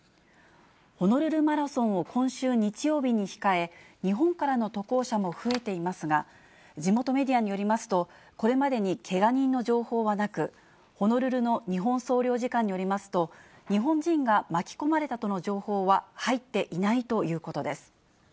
ホノルルマラソンを今週日曜日に控え、日本からの渡航者も増えていますが、地元メディアによりますと、これまでにけが人の情報はなく、ホノルルの日本総領事館によりますと、日本人が巻き込まれたとの情報は入っていないということです。